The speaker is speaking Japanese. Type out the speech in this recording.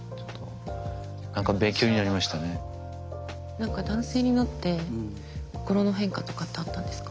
何か男性になって心の変化とかってあったんですか？